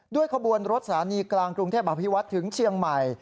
ขบวนรถสถานีกลางกรุงเทพอภิวัฒน์ถึงเชียงใหม่